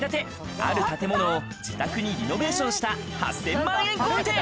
ある建物を自宅にリノベーションした８０００万円豪邸。